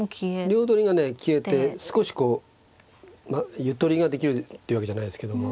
両取りが消えて少しこうゆとりができるってわけじゃないですけども。